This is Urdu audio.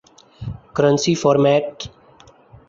currency format